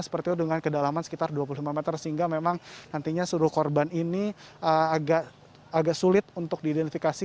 seperti itu dengan kedalaman sekitar dua puluh lima meter sehingga memang nantinya seluruh korban ini agak sulit untuk diidentifikasi